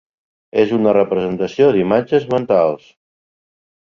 És una representació d'imatges mentals.